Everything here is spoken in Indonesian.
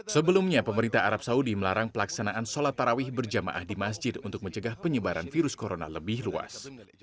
sebelumnya pemerintah arab saudi melarang pelaksanaan sholat tarawih berjamaah di masjid untuk mencegah penyebaran virus corona lebih luas